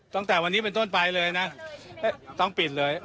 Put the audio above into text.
ตั้งแต่วันนี้เป็นต้นไปเลยนะต้องปิดเลย